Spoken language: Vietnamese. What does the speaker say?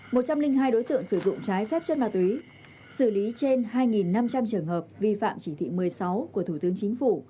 một trăm linh hai đối tượng sử dụng trái phép chất ma túy xử lý trên hai năm trăm linh trường hợp vi phạm chỉ thị một mươi sáu của thủ tướng chính phủ